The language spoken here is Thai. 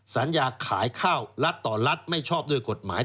ขายข้าวรัฐต่อรัฐไม่ชอบด้วยกฎหมาย